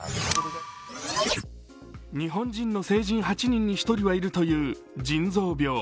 日本人の成人８人に１人はいるという腎臓病。